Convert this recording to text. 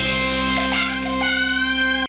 อื้อฮือนะครับว้าวอ่าใส่ไทยสดกว่าไทยใหม่กว่าเดิมเพิ่มเวลา